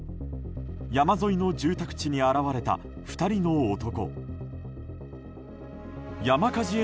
山沿いの住宅地に現れた２人の男。